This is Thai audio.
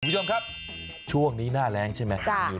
คุณผู้ชมครับช่วงนี้หน้าแรงใช่ไหมครับมันแห้ง